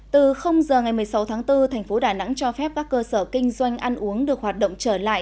từ giờ ngày một mươi sáu tháng bốn thành phố đà nẵng cho phép các cơ sở kinh doanh ăn uống được hoạt động trở lại